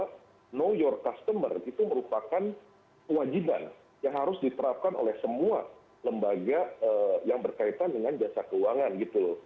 know your customer itu merupakan kewajiban yang harus diterapkan oleh semua lembaga yang berkaitan dengan jasa keuangan gitu loh